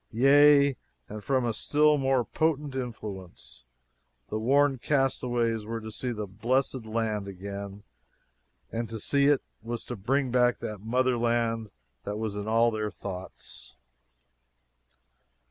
Yea, and from a still more potent influence: the worn castaways were to see the blessed land again! and to see it was to bring back that motherland that was in all their thoughts.